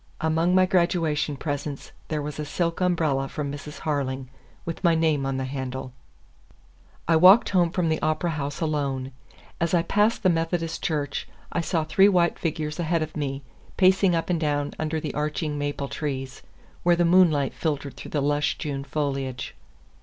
Among my graduation presents there was a silk umbrella from Mrs. Harling, with my name on the handle. I walked home from the Opera House alone. As I passed the Methodist Church, I saw three white figures ahead of me, pacing up and down under the arching maple trees, where the moonlight filtered through the lush June foliage.